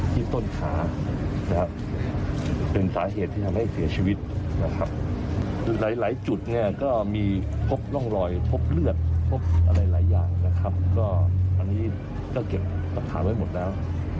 ต้นขานะครับเป็นสาเหตุที่ทำให้เสียชีวิตนะครับหลายจุดเนี่ยก็มีพบร่องรอยพบเลือดพบอะไรหลายอย่างนะครับก็อันนี้ก็เก็บรักษาไว้หมดแล้ว